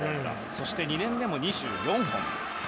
そして２年目も２４本。